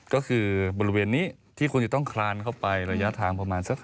ก็คือบริเวณนี้ที่คุณจะต้องคลานเข้าไประยะทางประมาณสัก